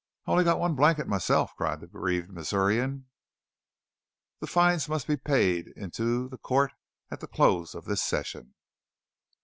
("I only got one blanket myself!" cried the grieved Missourian.) "The fines must be paid in to the court at the close of this session."